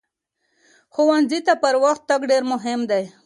ښوونځي ته پر وخت تګ ډېر مهم دی.